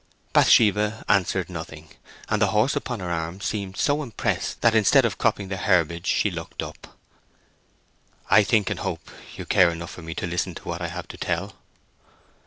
Bathsheba answered nothing, and the horse upon her arm seemed so impressed that instead of cropping the herbage she looked up. "I think and hope you care enough for me to listen to what I have to tell!"